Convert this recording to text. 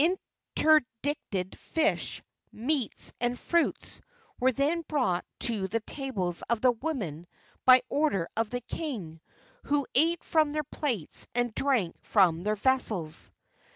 Interdicted fish, meats and fruits were then brought to the tables of the women by order of the king, who ate from their plates and drank from their vessels.